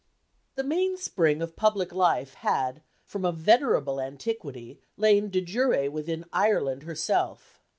The mainspring of public life had, from a venerable antiquity, lain de jure within Ireland herself.